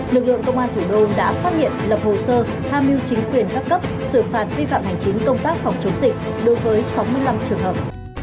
lực lượng công an thủ đô đã phát hiện lập hồ sơ tham mưu chính quyền các cấp xử phạt vi phạm hành chính công tác phòng chống dịch đối với sáu mươi năm trường hợp